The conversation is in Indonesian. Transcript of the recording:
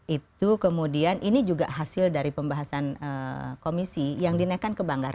itu kemudian ini juga hasil dari pembahasan komisi yang dinaikkan ke banggar